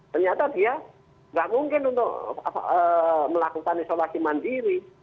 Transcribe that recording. ternyata dia nggak mungkin untuk melakukan isolasi mandiri